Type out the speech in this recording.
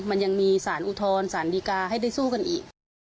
มันยังมีสารอุทธรณ์สารดีกาให้ได้สู้กันอีก